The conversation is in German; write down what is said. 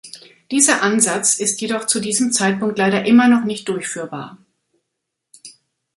Dieser Ansatz ist jedoch zu diesem Zeitpunkt leider immer noch nicht durchführbar.